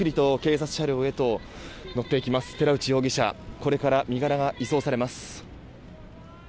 これから身柄が移送されます。